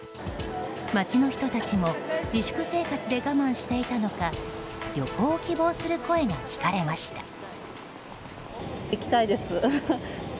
街の人たちも自粛生活で我慢していたのか旅行を希望する声が聞かれました。